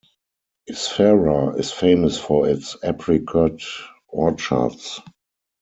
Isfara is famous for its apricot orchards.